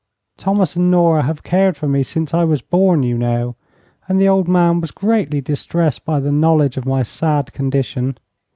"Thomas and Nora have cared for me since I was born, you know, and the old man was greatly distressed by the knowledge of my sad condition.